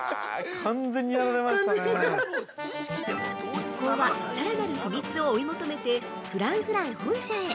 ◆一行は、さらなる秘密を追い求めてフランフラン本社へ。